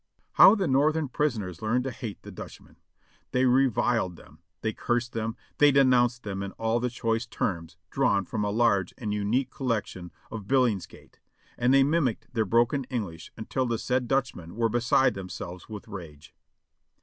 How the Northern prisoners learned to hate the Dutchmen ; they reviled them, they cursed them, they denounced them in all the choice terms drawn from a large and unique collection of Billingsgate, and they mimicked their broken English until the said Dutchmen were beside themselves with rage.